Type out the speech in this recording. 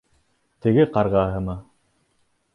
Теге ҡарғаһымы?